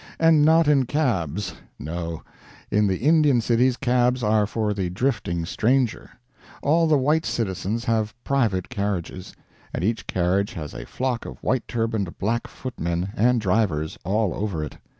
And not in cabs no; in the Indian cities cabs are for the drifting stranger; all the white citizens have private carriages; and each carriage has a flock of white turbaned black footmen and drivers all over it.